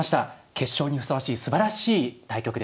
決勝にふさわしいすばらしい対局でした。